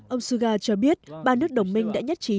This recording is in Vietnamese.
ông suga cho biết ba nước đồng minh đã nhất trí